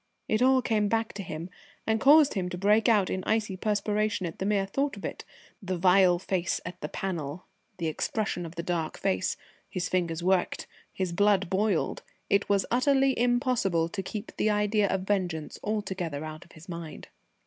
It all came back to him, and caused him to break out in icy perspiration at the mere thought of it ... the vile face at the panel ... the expression of the dark face.... His fingers worked. His blood boiled. It was utterly impossible to keep the idea of vengeance altogether out of his mind.